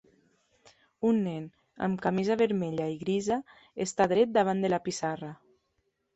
Un nen amb camisa vermella i grisa està dret davant de la pissarra.